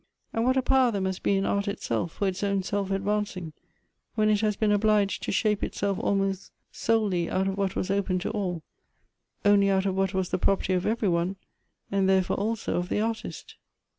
And what a power there must be in art itself, for its own self advancing, when it has been obliged to shape itself almost solely out of what was open to all, only out of what was the property of every one, and therefore also of the artist